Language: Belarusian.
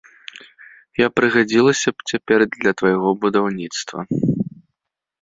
Я прыгадзілася б цяпер для твайго будаўніцтва.